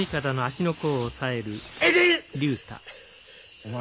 お前